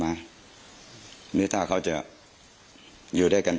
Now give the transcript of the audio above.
มีเรื่องอะไรมาคุยกันรับได้ทุกอย่าง